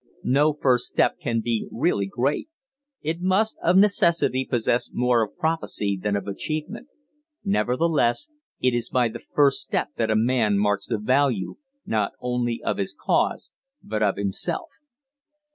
No first step can be really great; it must of necessity possess more of prophecy than of achievement; nevertheless it is by the first step that a man marks the value, not only of his cause, but of himself.